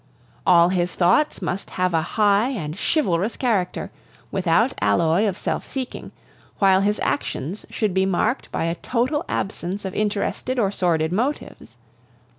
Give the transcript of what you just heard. "All his thoughts must have a high and chivalrous character, without alloy of self seeking; while his actions should be marked by a total absence of interested or sordid motives.